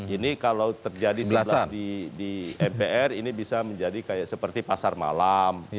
ini kalau terjadi sebelas di mpr ini bisa menjadi kayak seperti pasar malam